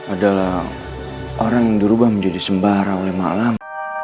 adalah orang yang dirubah menjadi sembahara oleh maklam